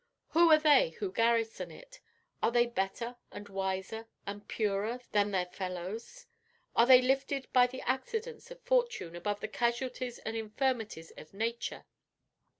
Who are they who garrison it? Are they better, and wiser, and purer than their fellows? Are they lifted by the accidents of fortune above the casualties and infirmities of nature?